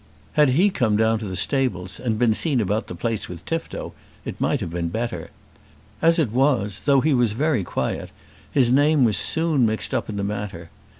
Had he come down to the stables and been seen about the place with Tifto it might have been better. As it was, though he was very quiet, his name was soon mixed up in the matter.